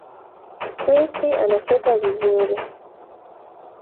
Chris anacheka vizuri